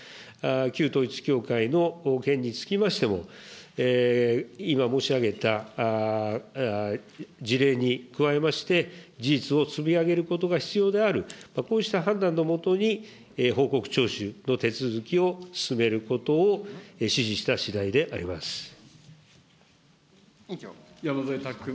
旧統一教会の件につきましても、今申し上げた事例に加えまして、事実を積み上げることが必要である、こうした判断のもとに、報告徴収の手続きを進めることを、山添拓君。